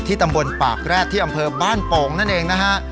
ตำบลปากแร็ดที่อำเภอบ้านโป่งนั่นเองนะฮะ